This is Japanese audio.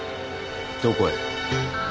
どこへ？